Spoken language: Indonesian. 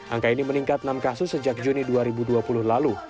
angka ini meningkat enam kasus sejak juni dua ribu dua puluh lalu